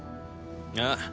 ああ。